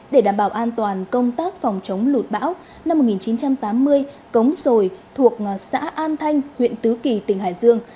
để đảm bảo an toàn công tác phòng chống lụt bão năm một nghìn chín trăm tám mươi cống rồi thuộc xã an thanh huyện tứ kỳ tỉnh hải dương